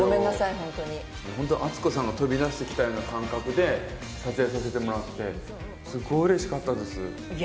ホントにホント篤子さんが飛び出してきたような感覚で撮影させてもらってすごい嬉しかったですいや